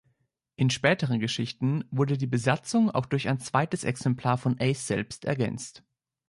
In späteren Geschichten wurde die Besatzung auch durch ein zweites Exemplar von Ace selbst ergänzt.